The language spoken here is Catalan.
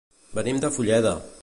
Venim de Fulleda.